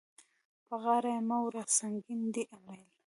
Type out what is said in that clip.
په غاړه يې مه وړه سنګين دی امېل.